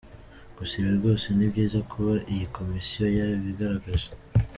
Gusa ibi rwose ni byiza kuba iyi komisiyo yarabigaragaje.